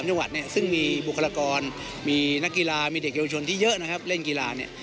จังหวัดเนี่ยซึ่งมีบุคลากรมีนักกีฬามีเด็กเยาวชนที่เยอะนะครับเล่นกีฬาเนี่ย